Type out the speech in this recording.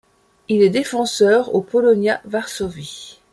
Il est défenseur au Polonia Varsovie.